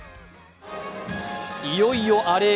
いよいよアレへ。